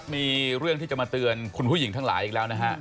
มีเรื่องที่จะมาเตือนคุณผู้หญิงทั้งหลายอีกแล้วนะฮะ